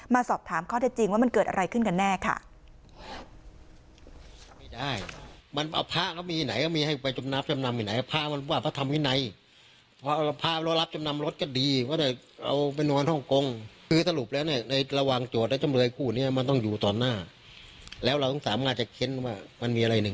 สอบถามข้อเท็จจริงว่ามันเกิดอะไรขึ้นกันแน่ค่ะ